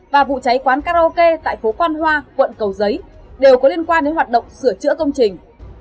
và vụ cháy quán karaoke tại phố quan hoa quận cầu giấy đều có liên quan đến hoạt động sửa chữa công trình